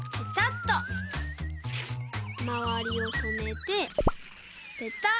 まわりをとめてペタッ！